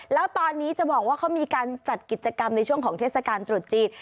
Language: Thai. แล้วตอนนี้จะบอกว่าเขามีการจัดกิจกรรมในช่วงของเทศกาลตรุษจีน